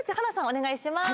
お願いします